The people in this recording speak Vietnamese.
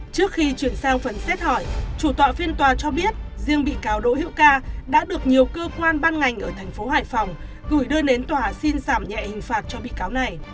trước khi chuyển sang phần xét hỏi chủ tọa phiên tòa cho biết riêng bị cáo đỗ hữu ca đã được nhiều cơ quan ban ngành ở thành phố hải phòng gửi đơn đến tòa xin giảm nhẹ hình phạt cho bị cáo này